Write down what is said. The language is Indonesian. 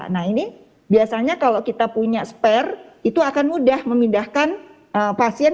nah ini biasanya kalau kita punya spare itu akan mudah memindahkan pasien